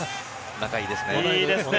仲いいですね。